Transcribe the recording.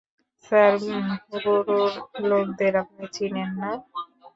Sir, গুরুর লোকদের আপনি চিনেন না।